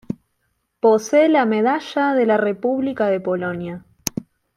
Posee la Medalla de la República de Polonia.